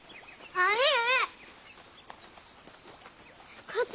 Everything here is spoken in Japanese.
兄上！